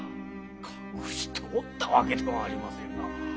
隠しておったわけではありませんが。